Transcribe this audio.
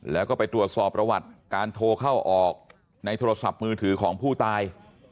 แล้วก็ไปตรวจสอบประวัติการโทรเข้าออกในโทรศัพท์มือถือของผู้ตาย